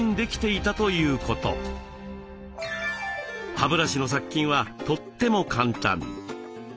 歯ブラシの殺菌はとっても簡単。